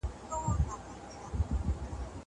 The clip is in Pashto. زه به سبا نان خورم.